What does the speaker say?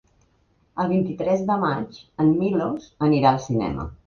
El vint-i-tres de maig en Milos anirà al cinema.